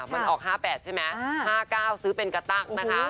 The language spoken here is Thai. มันออก๕๘ใช่ไหม๕๙ซื้อเป็นกระตั้งนะคะ